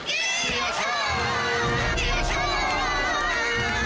よっしゃ！